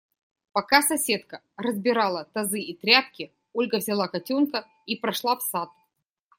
Пока соседка разбирала тазы и тряпки, Ольга взяла котенка и прошла в сад.